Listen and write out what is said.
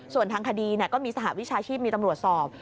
ส่วนทางคดีก็มีสหวิชาชีพมีตำรวจสอบ